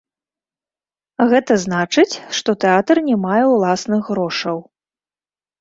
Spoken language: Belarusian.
Гэта значыць, што тэатр не мае ўласных грошаў.